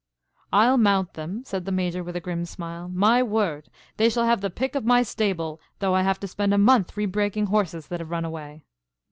"I'll mount them," said the Major with a grim smile. "My word! They shall have the pick of my stable though I have to spend a month rebreaking horses that have run away."